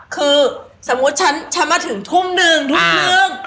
คือสมมุติฉันมาถึงทุ่มหนึ่งทุกคืน